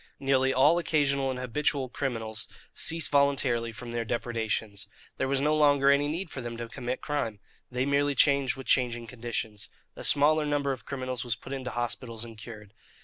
Nearly all occasional and habitual criminals ceased voluntarily from their depredations. There was no longer any need for them to commit crime. They merely changed with changing conditions. A smaller number of criminals was put into hospitals and cured.